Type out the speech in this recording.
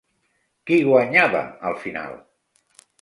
Qui guanyava al final?